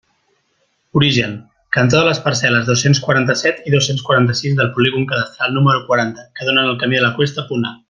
Origen: cantó de les parcel·les dos-cents quaranta-set i dos-cents quaranta-sis del polígon cadastral número quaranta, que donen al camí de la Cuesta, punt A.